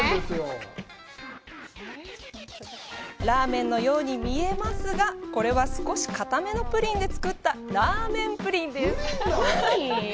ラーメンのように見えますがこれは、少しかためのプリンで作ったラーメンプリンです。